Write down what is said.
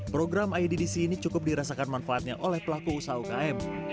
program iddc ini cukup dirasakan manfaatnya oleh pelaku usaha ukm